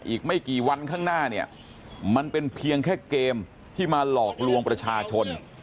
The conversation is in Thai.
อีกไม่กี่วันข้างหน้าเนี่ยมันเป็นเพียงแค่เกมที่มาหลอกลวงประชาชน